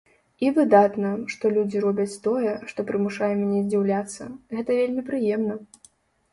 І выдатна, што людзі робяць тое, што прымушае мяне здзіўляцца, гэта вельмі прыемна.